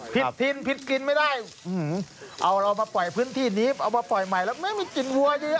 ถิ่นผิดกินไม่ได้เอาเรามาปล่อยพื้นที่นี้เอามาปล่อยใหม่แล้วไม่มีกลิ่นวัวดี